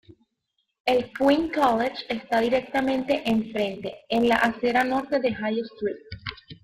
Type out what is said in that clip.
El Queen's College está directamente en frente, en la acera norte de High Street.